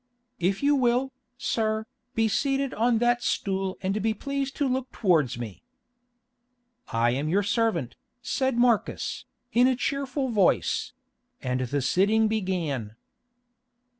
"If you will, sir, be seated on that stool and be pleased to look towards me." "I am your servant," said Marcus, in a cheerful voice; and the sitting began.